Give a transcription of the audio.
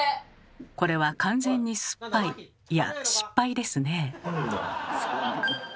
これは完全に酸っぱいいや「失敗」ですね。